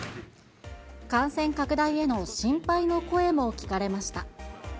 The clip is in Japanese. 感染拡大への心配の声も聞かれました。